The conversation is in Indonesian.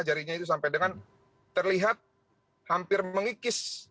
jarinya itu sampai dengan terlihat hampir mengikis